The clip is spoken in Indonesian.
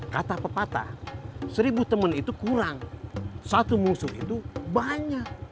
kata pepatah seribu teman itu kurang satu musuh itu banyak